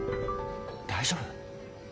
大丈夫？